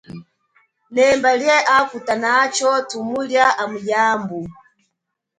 Lemba, lie akutanatsho thumulia amu yambu.